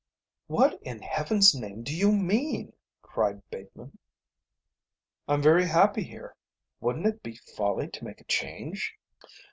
"What in heaven's name do you mean?" cried Bateman. "I'm very happy here. Wouldn't it be folly to make a change?"